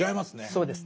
そうですね。